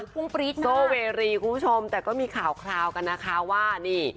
พรุ่งปรี๊ดมากโซเวรี่คุณผู้ชมแต่ก็มีข่าวกันนะคะว่านี่